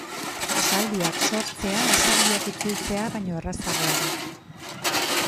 Esaldiak sortzea esaldiak itzultzea baino errazagoa da.